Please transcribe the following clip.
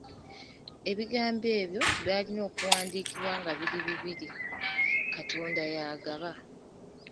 Ebigambo ebyo byalina okuwandiikibwa nga biri bibiri “Katonda y’agaba”.